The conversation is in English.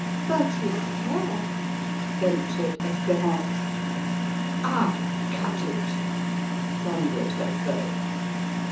"But his hair" ventured Espérance. "I cut it!" thundered her foe.